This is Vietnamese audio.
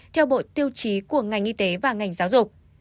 theo bộ tiêu chí của ngành y tế và ngành giáo dục